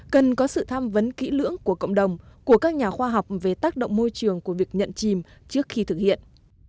cần có sự tham vấn kỹ lưỡng của cộng đồng của các nhà khoa học về tác động môi trường của việc nhận chìm trước khi thực hiện